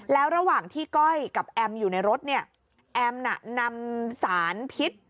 แล้วระหว่างที่ก้อยกับแอมอยู่ในรถเนี่ยแอมน่ะนำสารพิษ